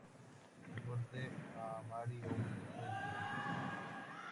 Su cortejo a Mary Owens fue diferente.